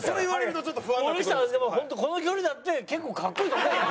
森下はでも本当この距離だって結構格好いいと思うよ。